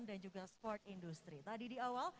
dan juga sport industry tadi di awal